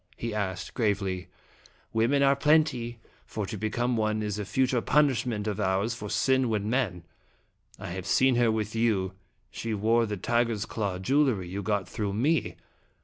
he asked, gravely. " Women are plenty, for to become one is a future punishment of ours for sin when men. I have seen her with you; she wore the tiger's claw jewelry you got through me.